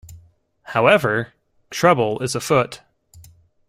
However, trouble is afoot.